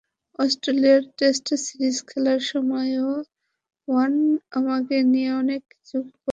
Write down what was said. অস্ট্রেলিয়ায় test series খেলার সময়ও ওয়ার্ন আমাকে নিয়ে অনেক কিছু বলেছে।